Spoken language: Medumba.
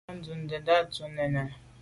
À dun neta dut nà nène.